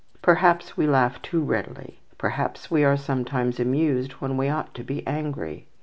Perhaps we laugh too readily. Perhaps we are sometimes amused when we ought to be angry.